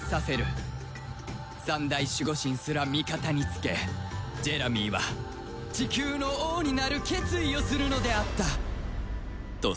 三大守護神すら味方につけジェラミーはチキューの王になる決意をするのであったとさ